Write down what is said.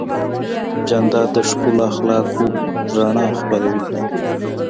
جانداد د ښکلو اخلاقو رڼا خپروي.